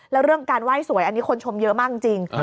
แล้วเรื่องการไหว้สวยอันนี้คนชมเยอะมากจริง